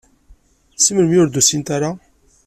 Seg melmi ur d-usint ara?